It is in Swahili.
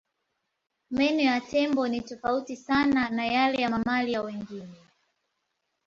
Meno ya tembo ni tofauti sana na yale ya mamalia wengine.